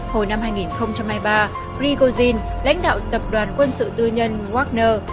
hồi năm hai nghìn hai mươi ba rigozhin lãnh đạo tập đoàn quân sự tư nhân wagner